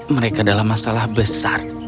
mereka dalam masalah besar